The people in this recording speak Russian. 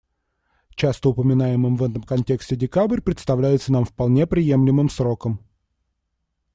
Часто упоминаемый в этом контексте декабрь представляется нам вполне приемлемым сроком.